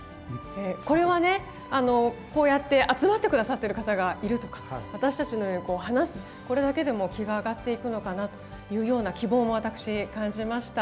これはねこうやって集まって下さってる方がいるとか私たちのようにこう話すこれだけでも気が上がっていくのかなというような希望も私感じました。